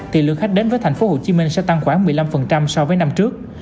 thì lượng khách đến với thành phố hồ chí minh sẽ tăng khoảng một mươi năm so với năm trước